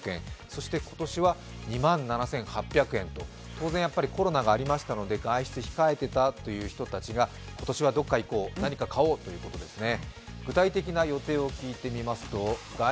当然コロナがありましたので、外出を控えていたという人たちが今年はどこか行こう何か買おうということですね。